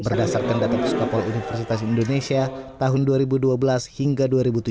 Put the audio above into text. berdasarkan data puskapol universitas indonesia tahun dua ribu dua belas hingga dua ribu tujuh belas